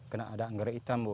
karena ada anggrek hitam bu